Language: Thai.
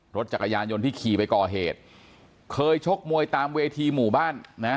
รถจักรยานยนต์ที่ขี่ไปก่อเหตุเคยชกมวยตามเวทีหมู่บ้านนะ